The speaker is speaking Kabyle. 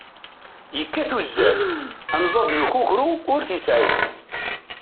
Yekkat uzzal, anẓad n ukukru ur t-yesɛi.